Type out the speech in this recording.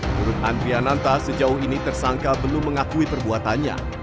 menurut andriananta sejauh ini tersangka belum mengakui perbuatannya